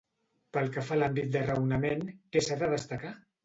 Pel que fa a l'àmbit de raonament, què s'ha de destacar?